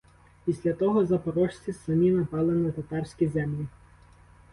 Після того запорожці самі напали на татарські землі.